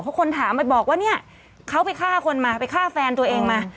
เพราะคนถามไปบอกว่าเนี่ยเขาไปฆ่าคนมาไปฆ่าแฟนตัวเองมา